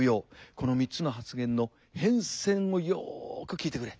この３つの発言の変遷をよく聞いてくれ。